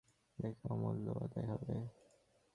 দেখো অমূল্য, নায়েবের কাছ থেকে সেই চিঠি-তিনটে আদায় করতে হবে।